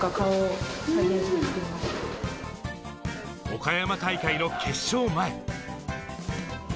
岡山大会の決勝前。